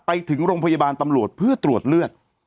ไปถึงโรงพยาบาลตำรวจเพื่อตรวจเลือด